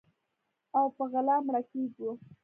او په غلا مړه کیږو